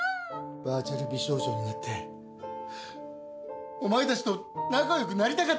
バーチャル美少女になってお前たちと仲良くなりたかったんだよ！